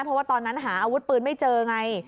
เพราะว่าตอนนั้นหาอาวุธปืนไม่เจอไง